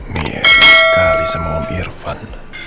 mirip sekali sama om irfan